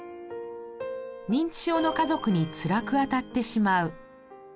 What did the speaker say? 認知症の家族につらくあたってしまう。